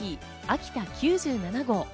秋田９７号。